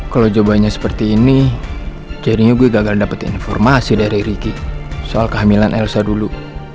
kalo cobainya seperti ini jadinya gue gagal dapet informasi dari ricky soal kehamilan elsa dulu